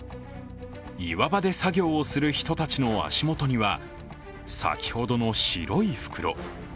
岩場で作業をする人たちの足元には先ほどの白い袋。